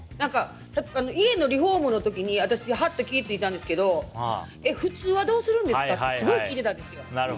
家のリフォームの時に私、ハッと気づいたんですけど普通はどうするんですか？ってすごい聞いてたんです。